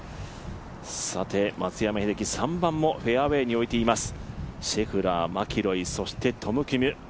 さて松山英樹、３番もフェアウエーに置いています。